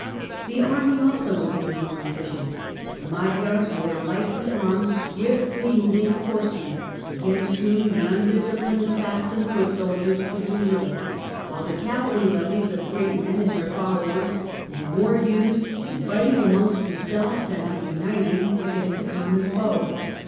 The army also was made more efficient. The Magyars were lightly armed, swiftly moving horsemen, against whom the undisciplined Saxon foot soldiers could do little, while the cavalry levies of great men and their followers were more used to fighting amongst themselves than to uniting against a common foe.